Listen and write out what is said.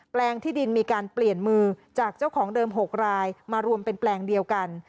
แปลงที่ดินมีการเปลี่ยนมือจากเจ้าของเดิม๖รายมารวมเป็นแปลงเดียวกัน